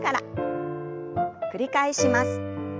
繰り返します。